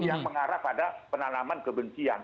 yang mengarah pada penanaman kebencian